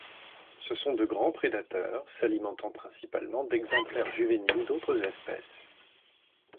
Ce sont de grands prédateurs, s'alimentant principalement d'exemplaires juvéniles d'autres espèces.